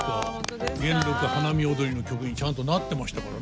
「元禄花見踊」の曲にちゃんとなってましたからね。